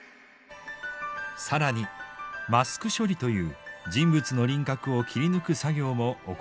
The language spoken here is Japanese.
更にマスク処理という人物の輪郭を切り抜く作業も行っています。